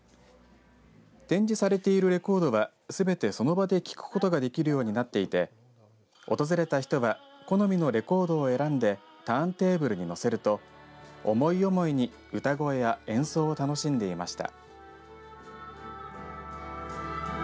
展示されているレコードはすべてその場で聞くことができるようになっていて訪れた人は好みのレコードを選んでターンテーブルに載せると思い思いに歌声や演奏を楽しんでいました。